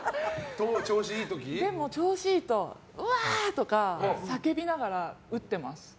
調子いいとわー！とか叫びながら打ってます。